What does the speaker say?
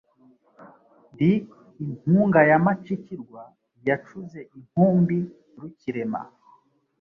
ndi impunga ya Macikirwa, yacuze inkumbi rukirema